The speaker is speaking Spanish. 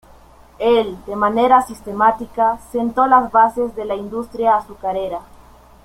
Él de manera sistemática, sentó las bases de la industria azucarera.